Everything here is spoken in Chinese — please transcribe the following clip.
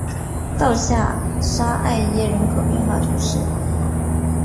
鲍下沙艾耶人口变化图示